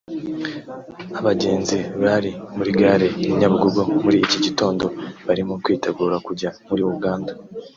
Abagenzi bari muri gare ya Nyabugogo muri iki gitondo barimo kwitegura kujya muri Uganda